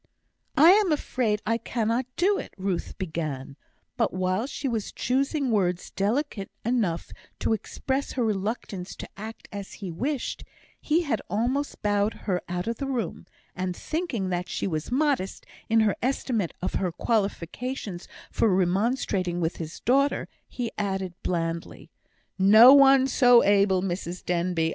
"I am afraid I cannot do it," Ruth began; but while she was choosing words delicate enough to express her reluctance to act as he wished, he had almost bowed her out of the room; and thinking that she was modest in her estimate of her qualifications for remonstrating with his daughter, he added, blandly, "No one so able, Mrs Denbigh.